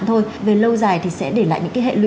thôi về lâu dài thì sẽ để lại những cái hệ lụ